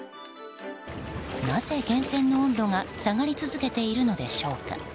なぜ源泉の温度が下がり続けているのでしょうか。